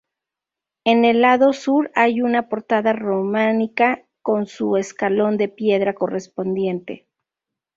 En el lado sur hay una portada románica con su escalón de piedra correspondiente.